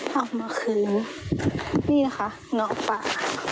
เอามาคืนนี่นะคะน้องป่า